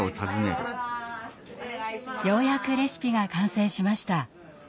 ようやくレシピが完成しました。